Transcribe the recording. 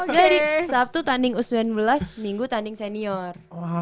jadi sabtu tanding usman belas minggu tanding senior